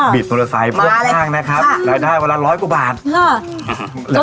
บิดโนโลไซต์พวกข้างนะครับรายได้เวลาร้อยกว่าบาทนะครับค่ะ